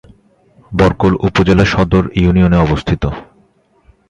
বরকল উপজেলা সদর এ ইউনিয়নে অবস্থিত।